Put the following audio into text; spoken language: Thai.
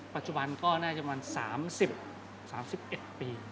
ปัจจุบันก็น่าจะประมาณ๓๐๓๑ปี